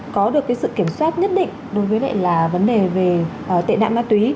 có được sự kiểm soát nhất định đối với vấn đề về tệ nạn ma túy